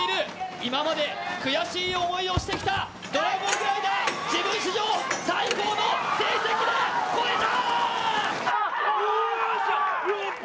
今まで悔しい思いをしてきたドラゴングライダー自分史上最高の成績を超えた！